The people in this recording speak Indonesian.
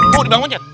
tuh dibangun monyet